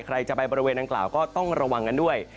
ใครจะไปบริเวณอังกล่าวก็ต้องระวังกันด้วย